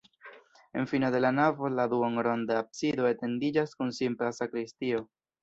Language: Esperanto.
En fino de la navo la duonronda absido etendiĝas kun simpla sakristio.